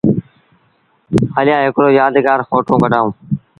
هليآ هڪڙو يآدگآر ڦوٽو ڪڍآئوٚݩ۔